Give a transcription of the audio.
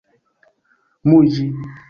muĝi